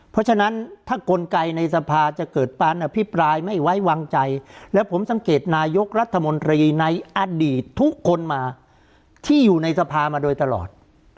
เพราะฉะนั้นถ้ากลไกในสภาจะเกิดการอภิปรายไม่ไว้วางใจและผมสังเกตนายกรัฐมนตรีในอดีตทุกคนมาที่อยู่ในสภามาโดยตลอด